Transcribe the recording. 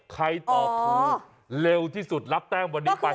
ตอบถูกเร็วที่สุดรับแต้มวันนี้ไป